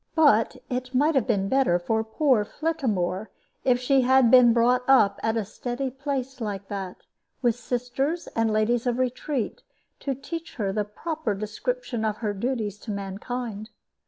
But it might have been better for poor Flittamore if she had been brought up at a steady place like that, with sisters and ladies of retreat, to teach her the proper description of her duties to mankind.